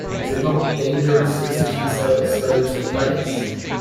Is it not dangerous to sit in so exposed a place?